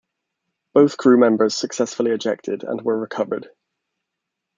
Both crew members successfully ejected and were recovered.